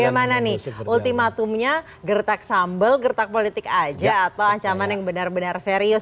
bagaimana nih ultimatumnya gertak sambal gertak politik aja atau ancaman yang benar benar serius